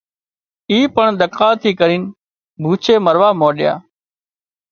اي پڻ ۮڪاۯ ٿي ڪرينَ ڀُوڇي مروا مانڏيا